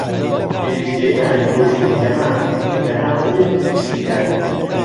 پێویستیەکانی پۆشینی دەمامک لەناو شوێنی گشتیدا